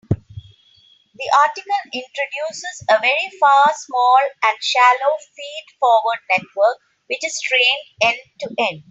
The article introduces a very fast, small, and shallow feed-forward network which is trained end-to-end.